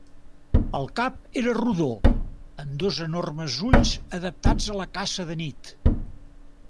El cap era rodó amb dos enormes ulls adaptats a la caça de nit.